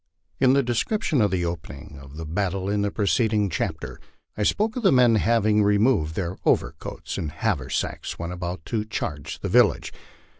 In the description of the opening of the battle in the preceding chapter, I spoke of the men having removed their overcoats and haversacks when about to charge the village.